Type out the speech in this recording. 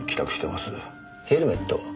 ヘルメット？